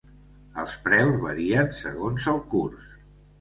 Els preus varien segons el curs.